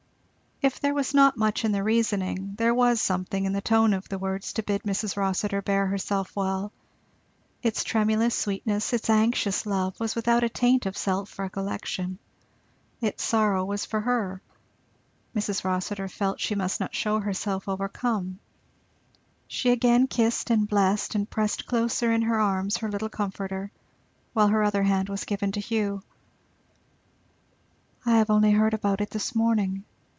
If there was not much in the reasoning there was something in the tone of the words to bid Mrs. Rossitur bear herself well. Its tremulous sweetness, its anxious love, was without a taint of self recollection; its sorrow was for her. Mrs. Rossitur felt that she must not shew herself overcome. She again kissed and blessed and pressed closer in her arms her little comforter, while her other hand was given to Hugh. "I have only heard about it this morning.